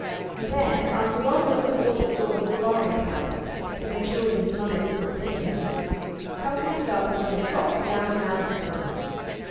And then, after one look toward the door of his father's house to make sure that his mother did not see him Cuffy started on a trot down the mountainside.